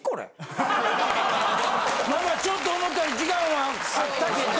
まあまあちょっと思ったより時間はあったけど。